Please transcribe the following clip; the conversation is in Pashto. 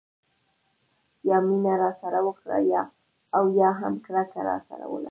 یا مینه راسره وکړه او یا هم کرکه راسره ولره.